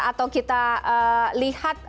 atau kita lihat